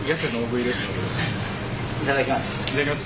いただきます。